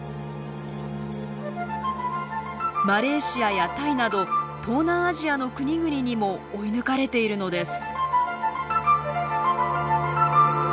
マレーシアやタイなど東南アジアの国々にも追い抜かれているのです。